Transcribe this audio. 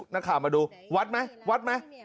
นักข่าวมาดูวัดไหมวัดไหม